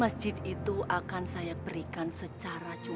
masjid itu akan saya berikan secara cuma